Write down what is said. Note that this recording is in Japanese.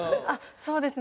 そうですね。